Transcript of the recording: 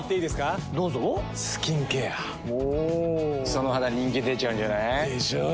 その肌人気出ちゃうんじゃない？でしょう。